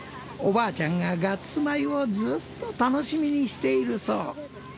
おばあちゃんがガッツ米をずっと楽しみにしているそう。